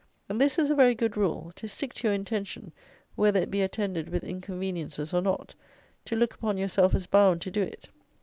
And this is a very good rule: to stick to your intention whether it be attended with inconveniences or not; to look upon yourself as bound to do it.